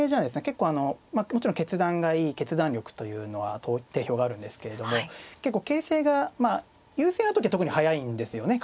結構あのもちろん決断がいい決断力というのは定評があるんですけれども結構形勢がまあ優勢な時は特に速いんですよね。